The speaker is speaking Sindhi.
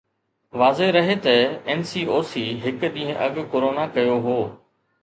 واضح رهي ته اين سي او سي هڪ ڏينهن اڳ ڪورونا ڪيو هو